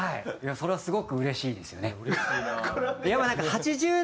それはすごくうれしいですよね。